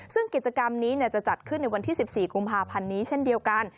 ซึ่งกิจกรรมนี้จะจัดขึ้นในวันที่๑๔กุมภาพันธ์นี้เช่นเดียวกัน